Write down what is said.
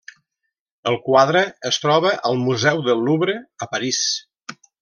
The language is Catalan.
El quadre es troba al museu del Louvre, a París.